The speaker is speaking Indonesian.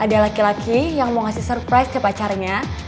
ada laki laki yang mau ngasih surprise ke pacarnya